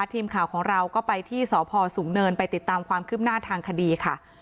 ทีมข่าวของเราก็ไปที่สพสูงเนินไปติดตามความคืบหน้าทางคดีค่ะ